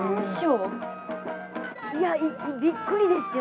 いやびっくりですよ